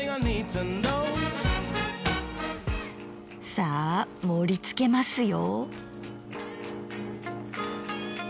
さあ盛りつけますよ。